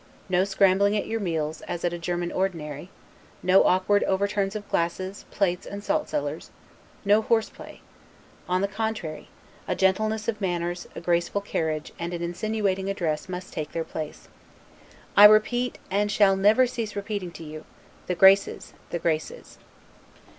No scrambling at your meals, as at a German ordinary; no awkward overturns of glasses, plates, and salt cellars; no horse play. On the contrary, a gentleness of manners, a graceful carriage, and an insinuating address, must take their place. I repeat, and shall never cease repeating to you, THE GRACES, THE GRACES.